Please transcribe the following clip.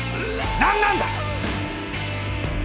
何なんだ！